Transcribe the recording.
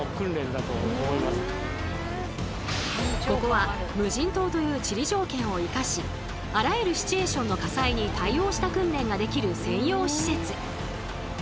ここは無人島という地理条件を生かしあらゆるシチュエーションの火災に対応した訓練ができる専用施設。